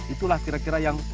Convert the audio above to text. itulah kira kira yang